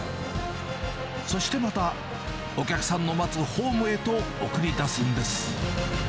そしてまた、お客さんの待つホームへと送り出すんです。